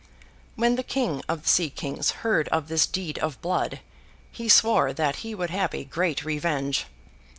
When the King of the sea kings heard of this deed of blood, he swore that he would have a great revenge.